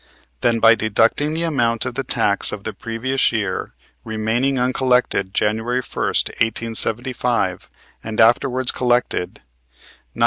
Then by deducting the amount of the tax of the previous year remaining uncollected January first, 1875, and afterwards collected, $998,628.